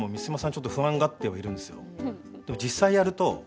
ちょっと不安がってはいるんですよ。